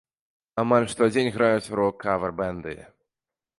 Амаль штодзень граюць рок-кавер-бэнды.